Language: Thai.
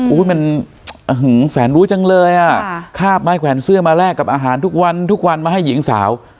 มันแสนรู้จังเลยอ่ะคาบไม้แขวนเสื้อมาแลกกับอาหารทุกวันทุกวันมาให้หญิงสาว